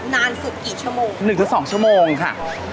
นานสุดกี่ชั่วโมง๑๒ชั่วโมงค่ะ